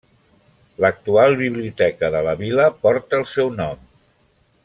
L'actual Biblioteca de la vila porta el seu nom.